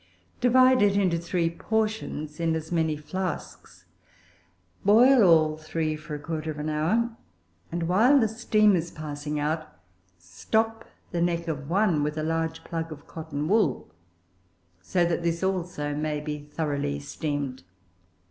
Divide it into three portions in as many flasks; boil all three for a quarter of an hour; and, while the steam is passing out, stop the neck of one with a large plug of cotton wool, so that this also may be thoroughly steamed.